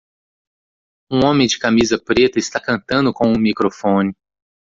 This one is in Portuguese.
Um homem de camisa preta está cantando com um microfone